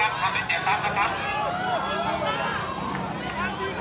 การประตูกรมทหารที่สิบเอ็ดเป็นภาพสดขนาดนี้นะครับ